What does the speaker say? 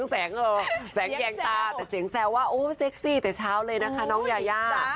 แต่เสียงแจ้วว่าเซ็กซี่ตัยเช้าเลยนะครับน้องยายา